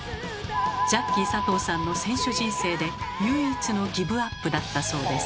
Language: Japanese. ジャッキー佐藤さんの選手人生で唯一のギブアップだったそうです。